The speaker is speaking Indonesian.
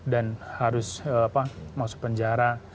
dan harus masuk penjara